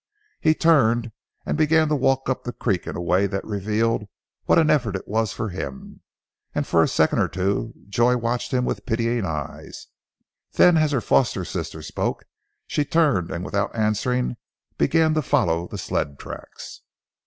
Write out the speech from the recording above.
He turned and began to walk up the creek in a way that revealed what an effort it was for him, and for a second or two Joy watched him with pitying eyes, then as her foster sister spoke, she turned, and without answering began to follow the sled tracks.